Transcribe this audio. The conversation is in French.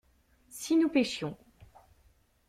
Si nous pêchions.